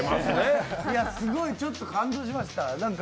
いや、すごい、ちょっと感動しました。